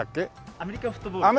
アメリカンフットボールです。